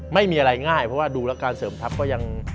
ไม่มีอะไรง่ายเพราะว่าดูแล้วการเสริมทัพก็ยัง